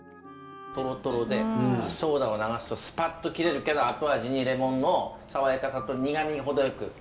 トロトロでソーダを流すとスパッと切れるけど後味にレモンの爽やかさと苦味が程よく。